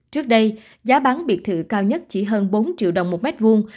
trước đây giá bán biệt thự cao nhất chỉ hơn bốn triệu đồng một mét vuông